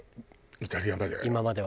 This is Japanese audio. イタリアまで？